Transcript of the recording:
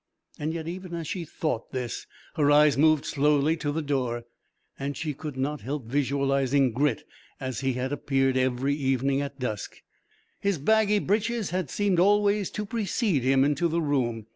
And yet, even as she thought this, her eyes moved slowly to the door, and she could not help visualizing Grit as he had appeared every evening at dusk. His baggy breeches had seemed always to precede him into the room.